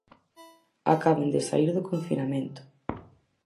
Acaban de saír do confinamento.